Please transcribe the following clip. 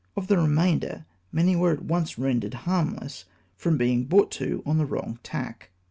Of the remainder, many were at once rendered harmless, from being brought to on the wrong tack.